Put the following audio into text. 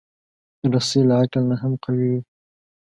رسۍ له عقل نه هم قوي وي.